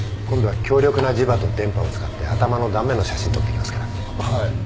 今度は強力な磁場と電波を使って頭の断面の写真撮っていきますから。